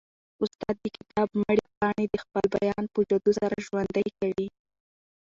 استاد د کتاب مړې پاڼې د خپل بیان په جادو سره ژوندۍ کوي.